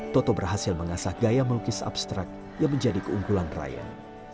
toto berhasil mengasah gaya melukis abstrak yang menjadi keunggulan ryan